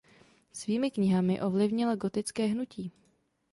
Svými knihami ovlivnila gotické hnutí.